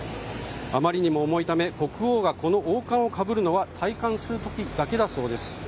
あまりにも重いため国王が、この王冠をかぶるのは戴冠する時だけだそうです。